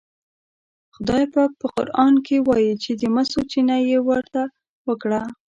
خدای پاک په قرآن کې وایي چې د مسو چینه یې ورته ورکړه.